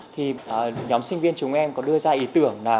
thì nhóm sinh viên chúng em có đưa ra ý tưởng là